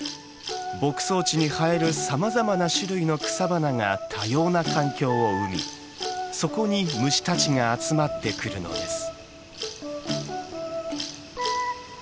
牧草地に生えるさまざまな種類の草花が多様な環境を生みそこに虫たちが集まってくるのです。